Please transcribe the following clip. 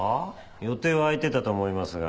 予定は空いてたと思いますが。